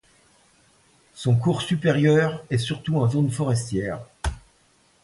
Son cours supérieur est surtout en zone forestière.